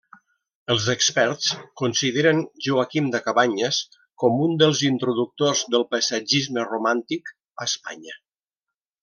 Els experts consideren Joaquim de Cabanyes com un dels introductors del paisatgisme romàntic a Espanya.